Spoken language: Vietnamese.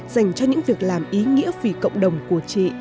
dành cho những việc làm ý nghĩa vì cộng đồng của chị